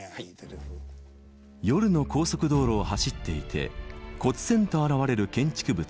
「夜の高速道路を走っていて忽然と現れる建築物